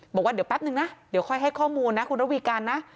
บอกว่าเดี๋ยวแป๊บนึงนะเดี๋ยวค่อยให้ข้อมูลนะคุณระวีการนะ